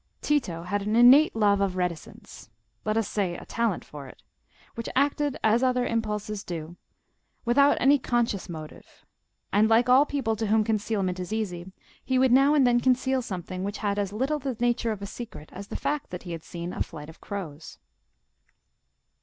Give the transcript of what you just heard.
Tito had an innate love of reticence—let us say a talent for it—which acted as other impulses do, without any conscious motive, and, like all people to whom concealment is easy, he would now and then conceal something which had as little the nature of a secret as the fact that he had seen a flight of crows.